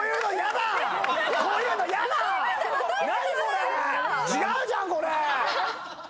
何これ⁉違うじゃんこれ！